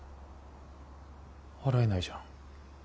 払えないじゃん。